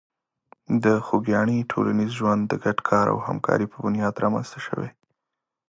د خوږیاڼي ټولنیز ژوند د ګډ کار او همکاري په بنیاد رامنځته شوی.